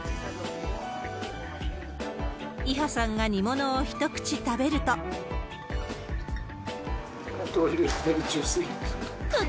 イハさんが煮物を一口食べると。